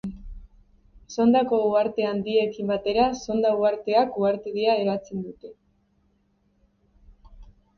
Sondako uharte handiekin batera, Sonda uharteak uhartedia eratzen dute.